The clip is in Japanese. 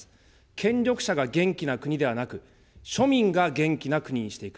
権力者が元気な国ではなく、庶民が元気な国にしていく。